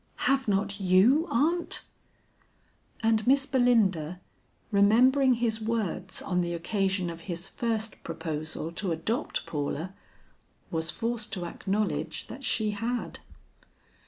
"Have not you, aunt?" And Miss Belinda remembering his words on the occasion of his first proposal to adopt Paula, was forced to acknowledge that she had.